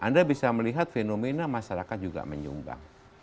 anda bisa melihat fenomena masyarakat juga menyumbang